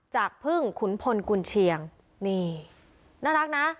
จากพึ่งขุนพลกุญเชียงนี่น่ารักนะ